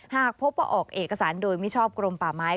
หากพบว่าออกเอกสารโดยมิชอบกรมป่าไม้